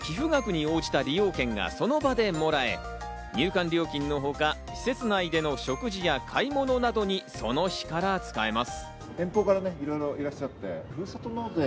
寄付額に応じた利用券がその場でもらえ入館料金の他、施設内での食事や買い物などにその日から使えます。